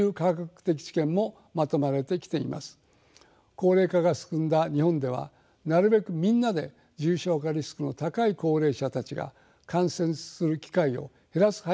高齢化が進んだ日本ではなるべくみんなで重症化リスクの高い高齢者たちが感染する機会を減らす配慮が必要です。